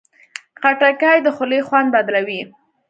خټکی د خولې خوند بدلوي.